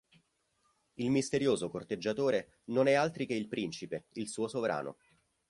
Il misterioso corteggiatore non è altri che il principe, il suo sovrano.